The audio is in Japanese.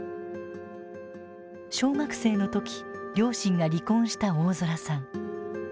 小学生の時両親が離婚した大空さん。